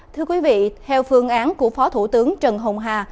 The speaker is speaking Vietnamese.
thưa quý vị theo phương án của phó thủ tướng trần hồng hà